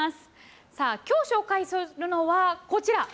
さあ、きょう紹介するのはこちら。